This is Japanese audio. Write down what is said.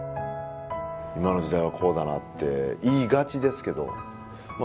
今の時代はこうだなって言いがちですけどまあ